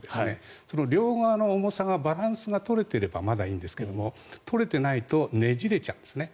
その両側の重さがバランスが取れてればまだいいんですが取れていないとねじれちゃうんですね。